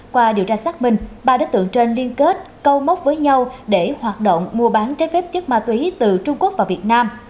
qua điều tra xác minh ba đối tượng trên liên kết câu móc với nhau để hoạt động mua bán trái phép chất ma túy từ trung quốc vào việt nam